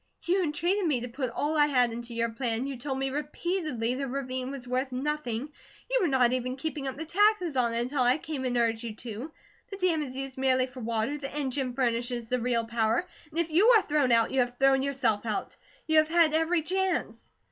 "You entreated me to put all I had into your plan, you told me repeatedly the ravine was worth nothing, you were not even keeping up the taxes on it until I came and urged you to, the dam is used merely for water, the engine furnishes the real power, and if you are thrown out, you have thrown yourself out. You have had every chance."